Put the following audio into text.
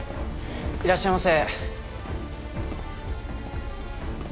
いらっしゃいませ。